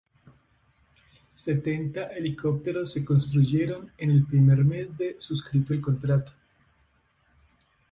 Setenta helicópteros se construyeron en el primer mes de suscrito el contrato.